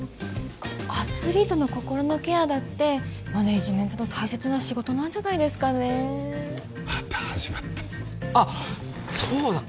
アスリートの心のケアだってマネージメントの大切な仕事なんじゃないですかねまた始まったあっそうだ